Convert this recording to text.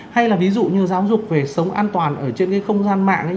hay là ví dụ như giáo dục về sống an toàn ở trên cái không gian mạng